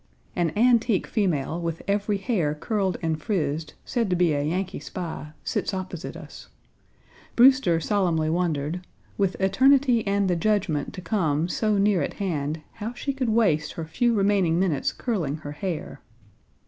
An antique female, with every hair curled and frizzed, said to be a Yankee spy, sits opposite us. Brewster solemnly wondered "with eternity and the judgment to come so near at hand, how she could waste her few remaining minutes curling her hair."